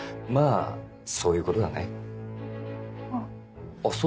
まぁそういうことだね。